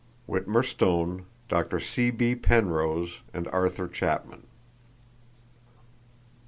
—(Witmer Stone, Dr. C.B. Penrose and Arthur Chapman.)